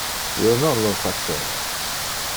Io non lo faceva.